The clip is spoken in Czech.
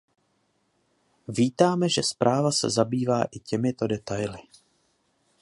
Vítáme, že zpráva se zabývá i těmito detaily.